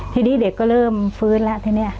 ทีนี้เด็กก็เริ่มฟื้นแล้วทีนี้